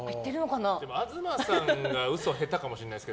東さんが下手嘘かもしれないです